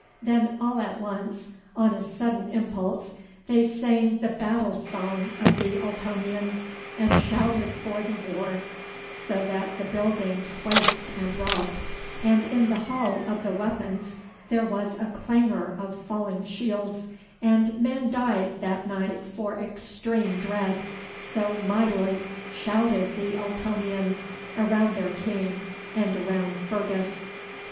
Then all at once, on a sudden impulse, they sang the battle song of the Ultonians, and shouted for the war so that the building quaked and rocked, and in the hall of the weapons there was a clangor of falling shields, and men died that night for extreme dread, so mightily shouted the Ultonians around their king and around Fergus.